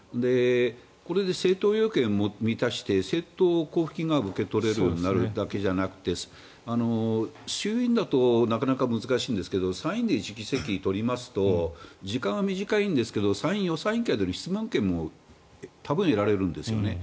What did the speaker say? これで政党要件を満たして政党交付金が受け取れるようになるだけじゃなくて衆院だとなかなか難しいんですが参院で１議席取りますと時間は短いんですが参院予選委員会でも多分、得られるんですよね。